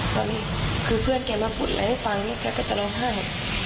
ตอนนี้คือเพื่อนแกมาพูดอะไรให้ฟังนี่แกก็จะร้องไห้